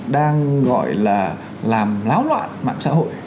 đang gọi là làm láo loạn mạng xã hội